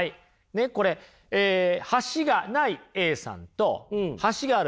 ねっこれ橋がないＡさんと橋があるＢさん